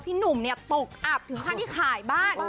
พี่หนุ่มเนี่ยตกอาบถ่ายบ้าน